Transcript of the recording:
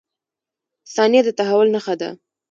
• ثانیه د تحول نښه ده.